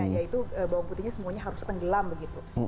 yaitu bawang putihnya semuanya harus tenggelam begitu